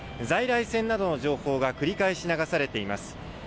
在来線などの情報が繰り返し流されています。